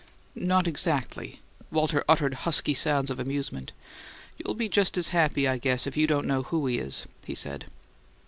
"Not exactly!" Walter uttered husky sounds of amusement. "You'll be just as happy, I guess, if you don't know who he is," he said.